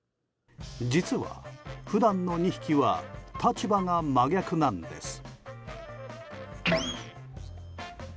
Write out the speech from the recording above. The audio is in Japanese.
実は、普段の２匹は立場が真逆なんです。